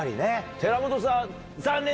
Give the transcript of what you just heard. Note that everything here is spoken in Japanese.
寺本さん。